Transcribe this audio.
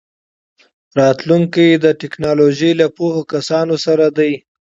راتلونکی د ټیکنالوژۍ له پوهو کسانو سره دی.